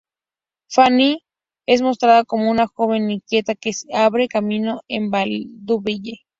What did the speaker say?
Fanny es mostrada como una joven inquieta que se abre camino en el vaudeville.